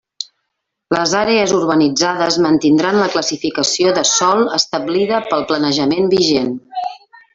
Les àrees urbanitzades mantindran la classificació de sòl establida pel planejament vigent.